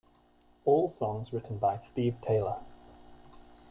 All Songs Written by Steve Taylor.